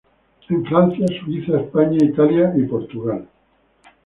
En Francia, Suiza, España, Italia y Portugal.